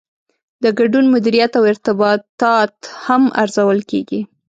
د ګډون مدیریت او ارتباطات هم ارزول کیږي.